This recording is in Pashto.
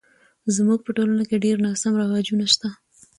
زموږ په ټولنه کې ډیر ناسم رواجونه شته